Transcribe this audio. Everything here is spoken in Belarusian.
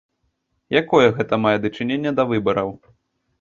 Якое гэта мае дачыненне да выбараў?